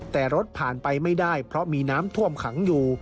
แต่รถผ่านไปไม่ได้เพราะมีน้ำท่วมขังอยู่